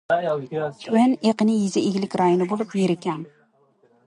تۆۋەن ئېقىنى يېزا ئىگىلىك رايونى بولۇپ، يېرى كەڭ.